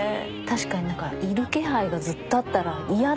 確かに何かいる気配がずっとあったら嫌だろうね。